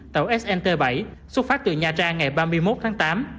tàu snt bảy xuất phát từ nha trang ngày ba mươi một tháng tám